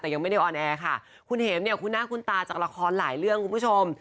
แต่ยังไม่ได้ออนแอร์ค่ะคุณเห็มเนี่ยคุณหน้าคุณตาจากละครหลายเรื่องคุณผู้ชม